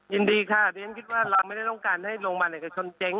ยินดีค่ะเพราะฉะนั้นคิดว่าเราไม่ได้ต้องการให้โรงพาณเอกชนเจ๊ง